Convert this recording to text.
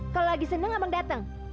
kalau lagi seneng abang dateng